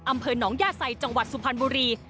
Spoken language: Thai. อำเภอหนองย่าไซจังหวัดสุพรรณบุรี